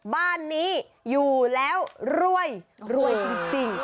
บ้านนี้อยู่แล้วรวยรวยจริง